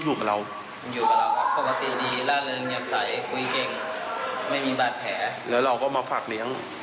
ใช่